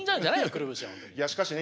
いやしかしね